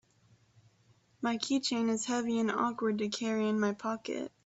My keychain is heavy and awkward to carry in my pocket.